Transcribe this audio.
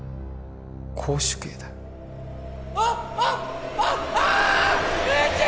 絞首刑だあっあっあっあっあっあーっ！